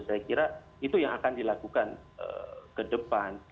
saya kira itu yang akan dilakukan ke depan